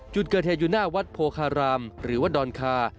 จุดเกิดเหตุอยู่หน้าวัดโพคารามหรือวัดดอนคา